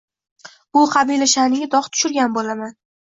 Bu qabila sha’niga dog’ tushirgan bo’laman.